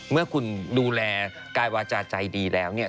เมื่อคุณดูแลกายวาจาใจดีแล้วเนี่ย